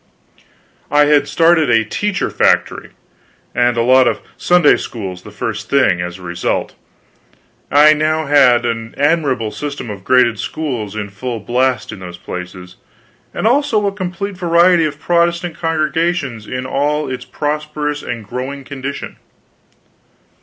I had started a teacher factory and a lot of Sunday schools the first thing; as a result, I now had an admirable system of graded schools in full blast in those places, and also a complete variety of Protestant congregations all in a prosperous and growing condition.